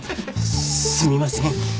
すみません。